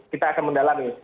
kita akan mendalami